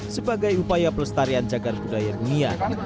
sebagai upaya pelestarian cagar budaya dunia